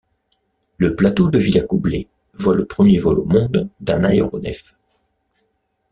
Le plateau de Villacoublay voit le premier vol au monde d'un aéronef.